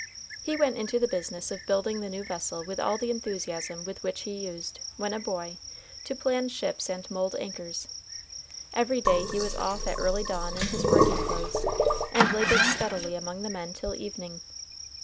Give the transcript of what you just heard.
He went into the business of building the new vessel with all the enthusiasm with which he used, when a boy, to plan ships and mould anchors. Every day he was off at early dawn in his working clothes, and labored steadily among the men till evening.